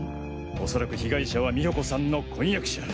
おそらく被害者は美穂子さんの婚約者。